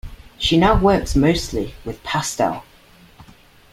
She now works mostly with pastel.